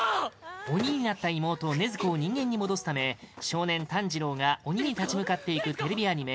鬼になった妹・禰豆子を人間に戻すため少年、炭治郎が鬼に立ち向かっていくテレビアニメ